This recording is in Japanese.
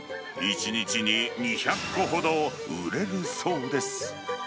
１日に２００個ほど売れるそうです。